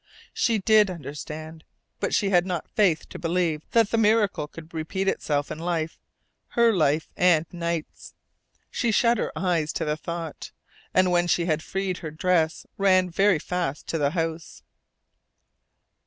She did understand. But she had not faith to believe that the miracle could repeat itself in life her life and Knight's. She shut her eyes to the thought, and when she had freed her dress ran very fast to the house.